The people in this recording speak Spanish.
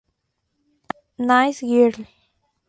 Nice Girl".